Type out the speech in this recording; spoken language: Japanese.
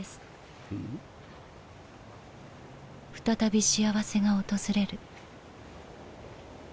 「再び幸せが訪れる」。